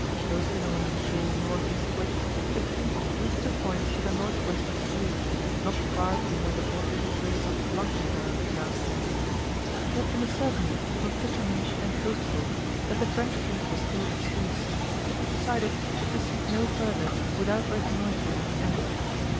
Coasting along the shore north eastwards, the fleet reached a point to the north west of Bruges, not far from where the watering place of Blankenberg now stands. It had been ascertained from fishermen and coast folk that the French fleet was still at Sluys, and it was decided to proceed no further without reconnoitring the enemy.